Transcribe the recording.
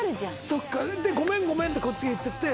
そっかで「ごめんごめん」ってこっちが言っちゃって。